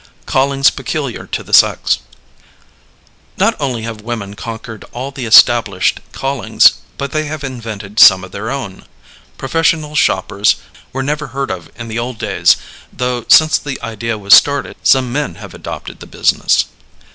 CALLINGS PECULIAR TO THE SEX. Not only have women conquered all the established callings, but they have invented some of their own. Professional shoppers were never heard of in the old days, though since the idea was started some men have adopted the business.